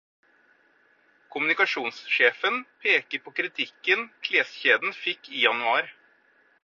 Kommunikasjonssjefen peker på kritikken kleskjeden fikk i januar.